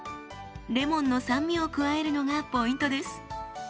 レモンの酸味を加えるのがポイントです。